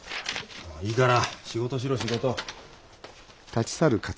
いいから仕事しろ仕事！